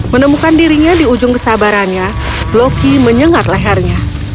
menemukan dirinya di ujung kesabarannya loki menyengat lehernya